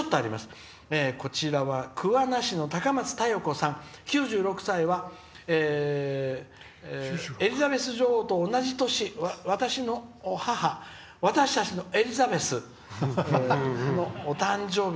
こちらは桑名市のたかまつたよこさん「９６歳はエリザベス女王と同じ年私の母、私たちのエリザベスのお誕生日」。